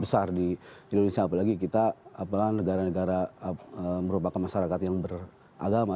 apalagi indonesia apalagi kita apalah negara negara merupakan masyarakat yang beragama